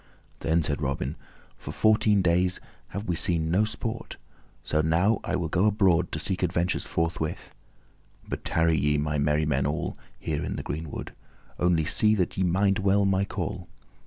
Then said Robin, "For fourteen days have we seen no sport, so now I will go abroad to seek adventures forthwith. But tarry ye, my merry men all, here in the greenwood; only see that ye mind well my call.